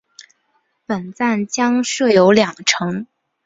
本站将设有两层。